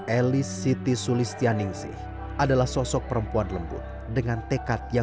elis siti sulistyaningsih adalah seorang wanita yang berpengalaman